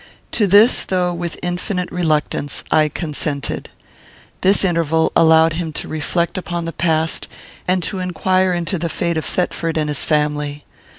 To this, though with infinite reluctance, I consented. This interval allowed him to reflect upon the past, and to inquire into the fate of Thetford and his family.